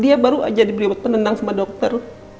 dia baru aja diberi penendang sama dokter